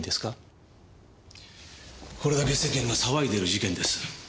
これだけ世間が騒いでいる事件です。